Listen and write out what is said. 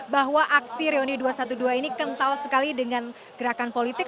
bahwa aksi reuni dua ratus dua belas ini kental sekali dengan gerakan politik